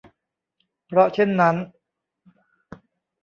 เพราะเช่นนั้น